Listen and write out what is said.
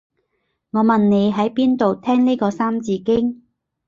我問你喺邊度聽呢個三字經